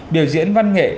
điều diễn văn nghệ